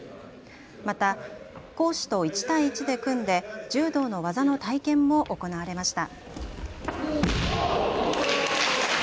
また講師と１対１で組んで柔道の技の体験も行われました。